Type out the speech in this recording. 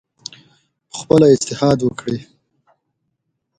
پخپله اجتهاد وکړي